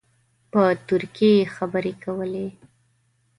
په ترکي خبرې کولې.